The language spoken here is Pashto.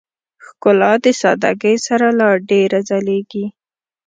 ښکلا د سادهګۍ سره لا ډېره ځلېږي.